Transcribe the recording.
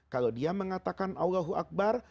kalau dia mengatakan allahu akbar